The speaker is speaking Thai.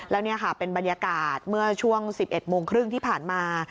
แล้วนี่ค่ะเป็นบรรยากาศเมื่อช่วง๑๑โมงครึ่งที่ผ่านมา